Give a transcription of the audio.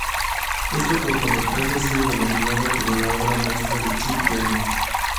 Este cortometraje ha sido denominado como la obra maestra de Chuck Jones.